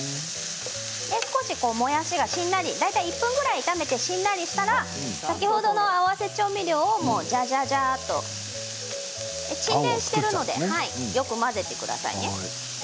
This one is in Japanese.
もやしが大体１分ぐらい炒めてしんなりしたら先ほどの合わせ調味料をじゃじゃじゃっと沈殿しているのでよく混ぜてくださいね。